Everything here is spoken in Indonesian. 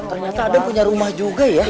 ternyata adam punya rumah juga ya